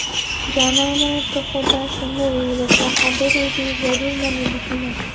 جانانه ته خو داسې نه وي د چا خبرې دې ضرور منلي دينه